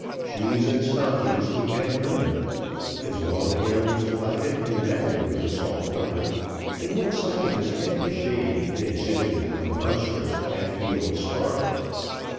Shoes and stockings he had none. His long hair was platted and matted with the salt water, and one side of his head was shaved, and exhibited a monstrous half healed scar.